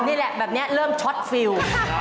นี่แหละแบบนี้เริ่มช็อตฟิล